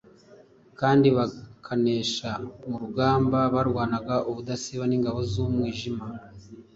kandi bakanesha mu rugamba barwanaga ubudasiba n’ingabo z’umwijima.